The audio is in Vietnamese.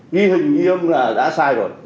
ghi hình ghi âm là đã sai rồi